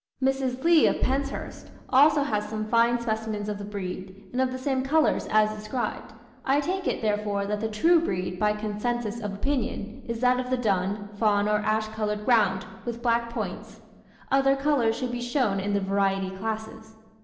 Mrs. Lee, of Penshurst, also has some fine specimens of the breed, and of the same colours as described. I take it, therefore, that the true breed, by consensus of opinion, is that of the dun, fawn, or ash coloured ground, with black points. Other colours should be shown in the variety classes.